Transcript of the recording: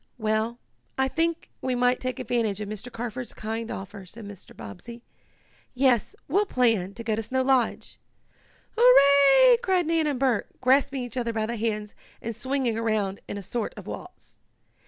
"Well, I think we might take advantage of Mr. Carford's kind offer," said Mr. Bobbsey. "Yes, we'll plan to go to Snow Lodge!" "Hurrah!" cried Nan and Bert, grasping each other by the hands and swinging around in a sort of waltz.